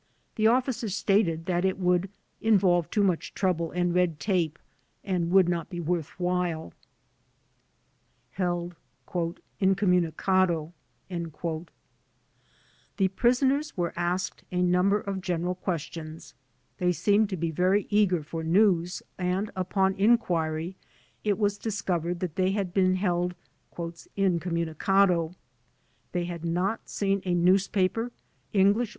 The officer stated that it would involve too much trouble and red tape and would not be worth while. Held "Incommunicado*' The prisoners were asked a number of general ques tions. They seemed to be very eager for news and upon inquiry it was discovered that they had been held "iji 80 THE DEPORTATION CASES r • i'!r. '■ They had not seen a newspaper, English